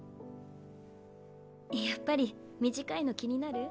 やっぱり短いの気になる？